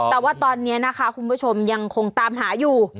แต่ว่าตอนนี้นะคะคุณผู้ชมยังคงตามหาอยู่